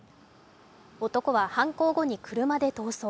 男は犯行後に車で逃走。